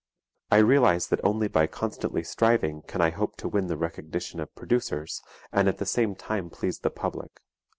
I realize that only by constantly striving can I hope to win the recognition of producers and at the same time please the public."